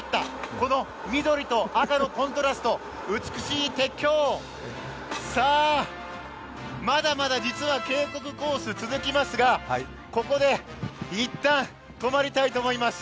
この緑と赤のコントラスト美しい鉄橋、まだまだ実は渓谷コース続きますがここでいったん止まりたいと思います。